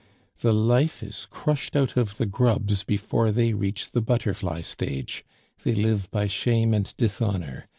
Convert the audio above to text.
The life is crushed out of the grubs before they reach the butterfly stage. They live by shame and dishonor.